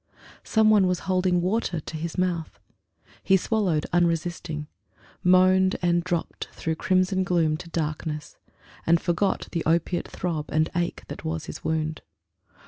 Some one was holding water to his mouth. He swallowed, unresisting; moaned and dropped Through crimson gloom to darkness; and forgot The opiate throb and ache that was his wound.